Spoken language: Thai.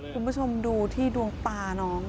คุณผู้ชมดูที่ดวงตาน้อง